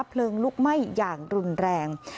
เพลิงลุกไหม้อย่างรุนแรง